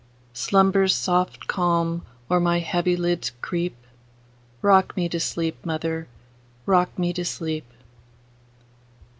Slumber's soft calms o'er my heavy lids creep;—Rock me to sleep, mother,—rock me to sleep!